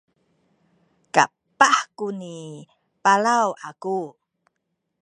kapah kuni palaw aku